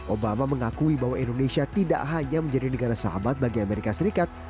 obama mengakui bahwa indonesia tidak hanya menjadi negara sahabat bagi amerika serikat